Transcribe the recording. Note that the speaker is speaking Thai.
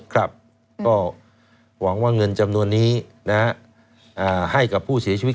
ครับก็หวังว่าเงินจำนวนนี้ให้กับผู้เสียชีวิต